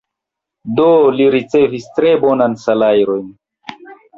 Do li ricevis tre bonan salajron.